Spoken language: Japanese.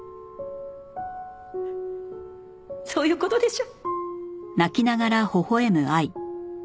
そういう事でしょ？